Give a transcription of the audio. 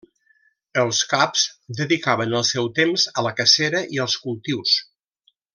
Els caps dedicaven el seu temps a la cacera o als cultius.